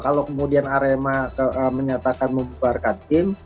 kalau kemudian arema menyatakan membubarkan tim